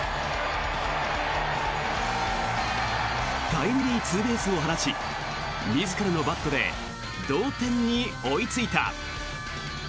タイムリーツーベースを放ち自らのバットで同点に追いついた。